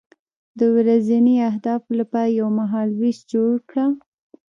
د ورځني اهدافو لپاره یو مهالویش جوړ کړه.